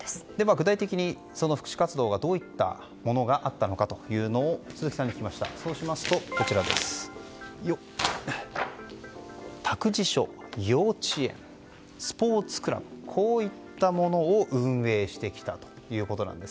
具体的に、その福祉活動どういったものがあったのか鈴木さんに聞きましたところ託児所、幼稚園スポーツクラブというものを運営してきたということです。